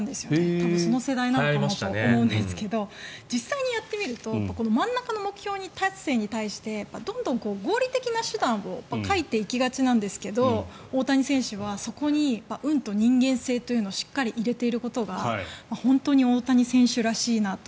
多分その世代なんだと思うんですけど実際にやってみると真ん中の目標達成に対してどんどん合理的な手段を書いていきがちなんですけど大谷選手はそこに運と人間性というのをしっかり入れていることが本当に大谷選手らしいなと。